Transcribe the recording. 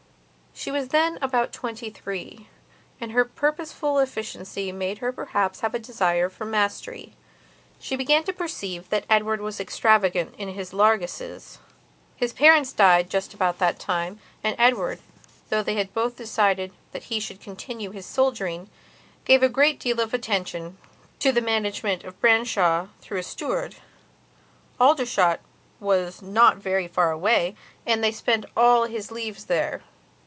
She was then about twenty three, and her purposeful efficiency made her perhaps have a desire for mastery. She began to perceive that Edward was extravagant in his largesses. His parents died just about that time, and Edward, though they both decided that he should continue his soldiering, gave a great deal of attention to the management of Branshaw through a steward. Aldershot was not very far away, and they spent all his leaves there.